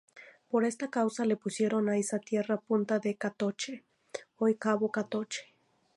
Por esta causa le pusieron a esa tierra Punta de Catoche, hoy Cabo Catoche.